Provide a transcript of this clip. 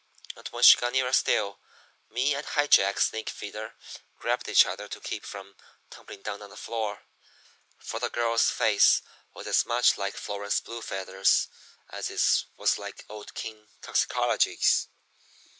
And when she got nearer still me and High Jack Snakefeeder grabbed each other to keep from tumbling down on the floor; for the girl's face was as much like Florence Blue Feather's as his was like old King Toxicology's.